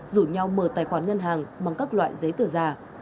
rủ nhau mở tài khoản ngân hàng bằng các loại giấy tờ giả